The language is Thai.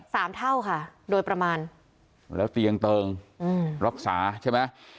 สามเท่าค่ะโดยประมาณแล้วเตียงเติงอืมรักษาใช่ไหม